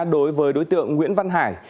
đối với đối tượng nguyễn văn hải